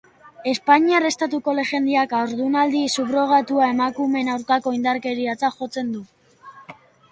Espainiar estatuko legediak Haurdunaldi subrogatua emakumeen aurkako indarkeriatzat jotzen du.